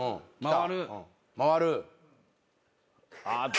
回る。